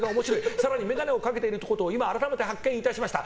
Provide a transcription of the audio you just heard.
更に眼鏡をかけているということを今改めて発見いたしました。